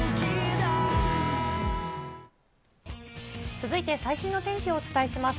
続いて最新の天気をお伝えします。